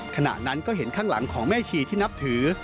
ขณะนั้นก็เห็นข้างหลังของแม่ชีที่นับถือ